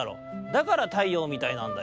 だから太陽みたいなんだ。